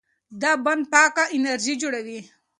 دا بند پاکه انرژي جوړوي.